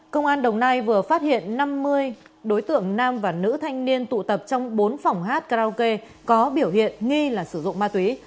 công an đồng nai vừa phát hiện năm mươi đối tượng nam và nữ thanh niên tụ tập trong bốn phòng hát karaoke có biểu hiện nghi là sử dụng ma túy